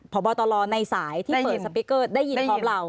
พอบอตรในสายที่เปิดสปิกเกอร์ได้ยินของเรา